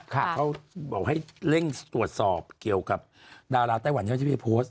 เขาบอกให้เร่งตรวจสอบเกี่ยวกับดาราไต้หวันที่ไปโพสต์